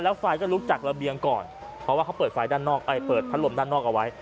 แล้วไฟก็ลุกจากระเบียงก่อนเพราะว่าเขาเปิดพัดลมด้านนอกเอาไว้